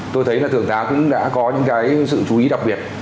tôi thấy là thượng tá cũng đã có những cái sự chú ý đặc biệt